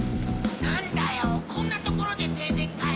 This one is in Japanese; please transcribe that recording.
何だよこんな所で停電かよ。